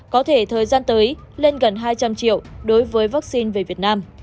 có thể thời gian tới lên gần hai trăm linh triệu đối với vaccine về việt nam